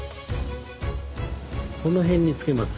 この辺につけます。